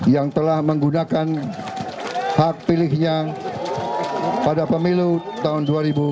yang telah menggunakan hak pilihnya pada pemilu tahun dua ribu dua puluh